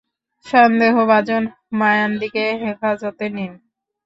সন্দেহভাজন মায়ানদিকে হেফাজতে নিন।